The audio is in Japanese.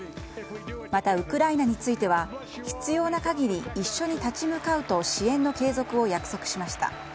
また、ウクライナについては必要な限り一緒に立ち向かうと支援の継続を約束しました。